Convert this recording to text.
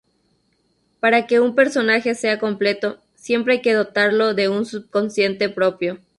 Para que un personaje sea completo, siempre hay que dotarlo de un subconsciente propio.